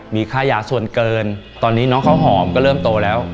มีค่ายาส่วนเกินตอนนี้น้องข้าวหอมก็เริ่มโตแล้ว